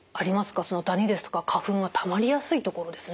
ダニですとか花粉がたまりやすい所ですね。